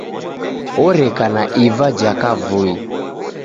Oreka na iva ja kavui.